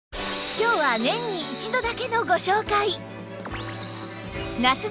今日は年に一度だけのご紹介